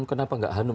kenapa gak hanum